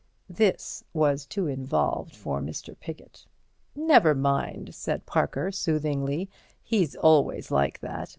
This was too involved for Mr. Piggott. "Never mind," said Parker, soothingly, "he's always like that.